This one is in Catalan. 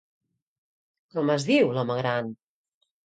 Com es diu, l'home gran?